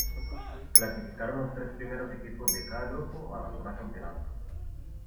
Clasificaron los tres primeros equipos de cada grupo a la Zona Campeonato.